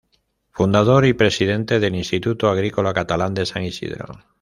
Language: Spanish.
Fundador y presidente del Instituto Agrícola Catalán de San Isidro.